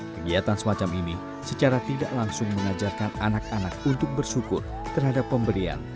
kegiatan semacam ini secara tidak langsung mengajarkan anak anak untuk bersyukur terhadap pemberian